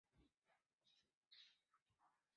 圣丹尼门是布隆代尔最有影响力建筑。